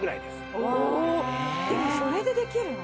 おおでもそれでできるの？